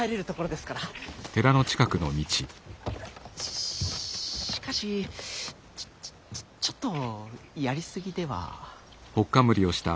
ししかしちょっちょっちょっとやり過ぎでは？